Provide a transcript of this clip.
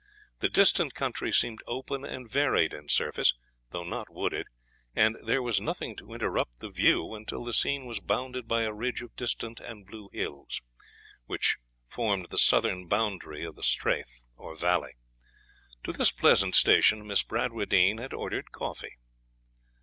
The distant country seemed open and varied in surface, though not wooded; and there was nothing to interrupt the view until the scene was bounded by a ridge of distant and blue hills, which formed the southern boundary of the strath or valley. To this pleasant station Miss Bradwardine had ordered coffee.